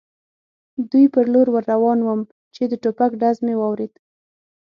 دوی پر لور ور روان ووم، چې د ټوپک ډز مې واورېد.